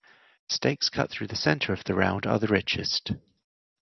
Steaks cut through the centre of the round are the richest.